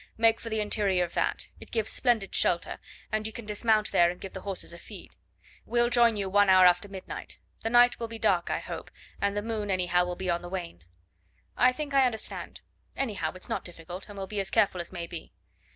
Make for the interior of that. It gives splendid shelter, and you can dismount there and give the horses a feed. We'll join you one hour after midnight. The night will be dark, I hope, and the moon anyhow will be on the wane." "I think I understand. Anyhow, it's not difficult, and we'll be as careful as may be."